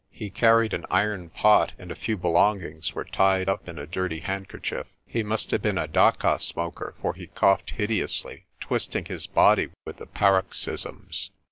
He carried an iron pot, and a few belongings were tied up in a dirty handkerchief. He must have been a dacha * smoker, for he coughed hideously, twisting his body with the paroxysms.